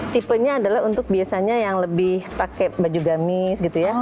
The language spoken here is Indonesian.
tipenya adalah untuk biasanya yang lebih pakai baju gamis gitu ya